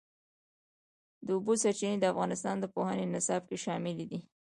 د اوبو سرچینې د افغانستان د پوهنې نصاب کې شامل دي.